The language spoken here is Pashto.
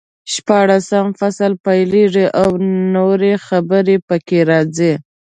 شپاړسم فصل پیلېږي او نورې خبرې پکې راځي.